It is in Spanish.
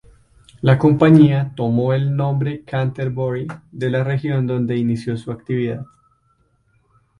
La compañía tomó el nombre Canterbury de la región donde inició su actividad.